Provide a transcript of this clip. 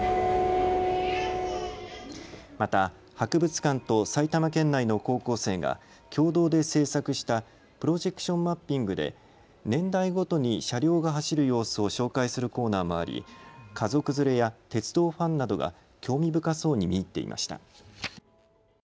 また博物館と埼玉県内の高校生が共同で制作したプロジェクションマッピングで年代ごとに車両が走る様子を紹介するコーナーもあり家族連れや鉄道ファンなどが興味深そうに見入っていました。